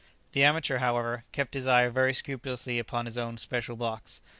The amateur, however, kept his eye very scrupulously upon his own special box.